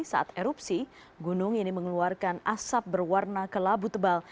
saat erupsi gunung ini mengeluarkan asap berwarna kelabu tebal